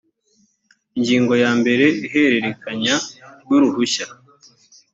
ingingo ya mbere ihererekanya ry uruhushya